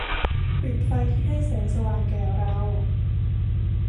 ปิดไฟที่ให้แสงสว่างแก่เรา